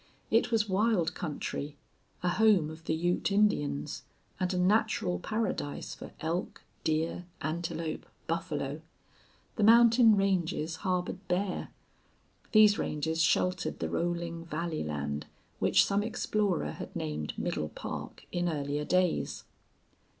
It was wild country, a home of the Ute Indians, and a natural paradise for elk, deer, antelope, buffalo. The mountain ranges harbored bear. These ranges sheltered the rolling valley land which some explorer had named Middle Park in earlier days.